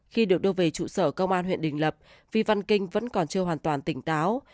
khi được đưa về trụ sở công an huyện đình lập vi văn kinh vẫn còn chưa hoàn toàn tỉnh táo